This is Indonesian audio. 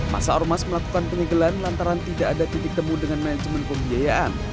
masa ormas melakukan penyegelan lantaran tidak ada titik temu dengan manajemen pembiayaan